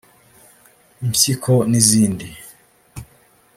Impyiko n’izindi